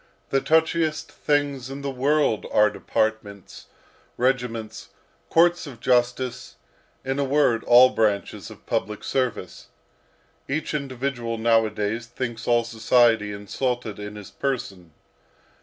The touchiest things in the world are departments, regiments, courts of justice, in a word, all branches of public service. Each individual nowadays thinks all society insulted in his person.